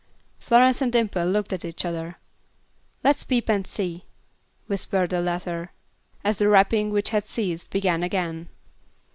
Florence and Dimple looked at each other. "Let's peep and see," whispered the latter, as the rapping, which had ceased, began again.